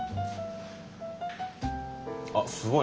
あっすごい。